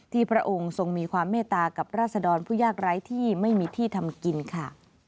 พระองค์ทรงมีความเมตตากับราษดรผู้ยากไร้ที่ไม่มีที่ทำกินค่ะ